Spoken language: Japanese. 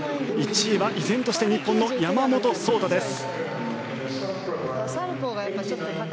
１位は依然として日本の山本草太です。